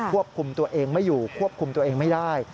ควบคุมตัวเองไม่อยู่ควบคุมตัวเองไม่ได้